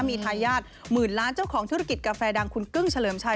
มีทายาทหมื่นล้านเจ้าของธุรกิจกาแฟดังคุณกึ้งเฉลิมชัย